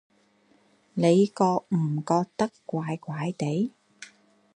你覺唔覺得怪怪哋？